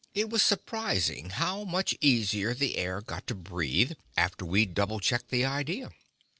It's surprising how much easier the air got to breathe after we'd double checked the idea.